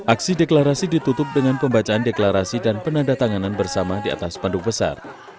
aksi deklarasi ditutup dengan pembacaan deklarasi dan penanda tanganan bersama di atas pandu besar